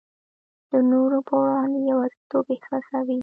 د نورو په وړاندي یوازیتوب احساسوو.